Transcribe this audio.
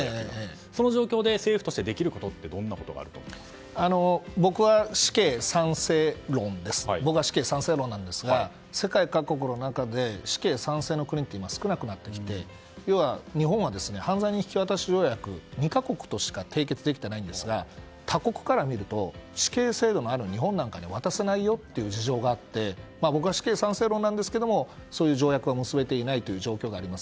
その状況で政府としてできること僕は死刑賛成論なんですが世界各国の中で死刑賛成の国って、今少なくなってきて日本は、犯罪人引き渡し条約を２か国としか締結できていないんですが他国から見ると死刑制度のある日本なんかには渡せないよっていう事情があって死刑賛成論なんですけどそういう条約を結べていないという状況があります。